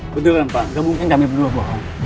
beneran pak gak mungkin kami berdua bohong